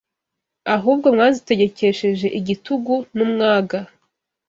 ahubwo mwazitegekesheje igitugu n’umwaga